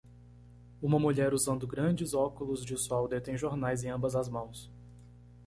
Uma mulher usando grandes óculos de sol detém jornais em ambas as mãos.